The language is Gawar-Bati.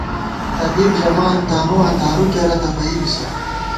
طبیب ژَمان تانُواں دارُو کېرہ تہ بئ بِسہ